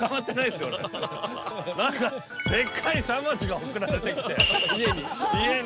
俺何かでっかいしゃもじが送られてきて家に？